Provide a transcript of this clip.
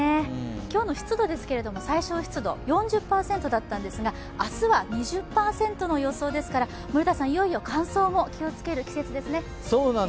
今日の湿度、最小湿度４０％だったんですが明日は２０％の予想ですから、森田さん、いよいよ乾燥も気をつける季節ですね。